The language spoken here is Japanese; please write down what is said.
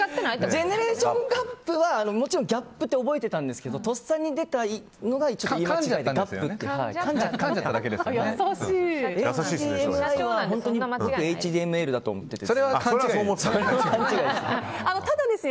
ジェネレーションガップはもちろんギャップって覚えていたんですけどとっさに出たのがちょっと言い間違えちゃったんです。